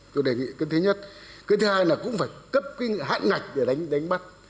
tôi đề nghị cái thứ nhất cái thứ hai là cũng phải cấp cái hạn ngạch để đánh bắt